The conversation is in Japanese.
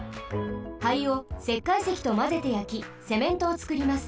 灰をせっかいせきとまぜてやきセメントをつくります。